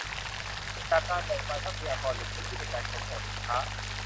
จากการแบ่งปันทรัพยากรหรือพื้นที่ในการขนส่งสินค้า